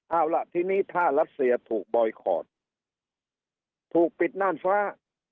เอาล่ะทีนี้ถ้ารัสเซียถูกบอยคอร์ดถูกปิดน่านฟ้า